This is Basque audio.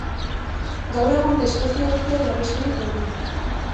Gaur egun espezie guztiak babesturik daude.